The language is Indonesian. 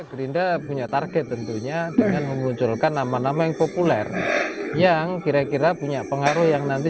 gerindra punya target tentunya dengan memunculkan nama nama yang populer yang kira kira punya pengaruh yang nanti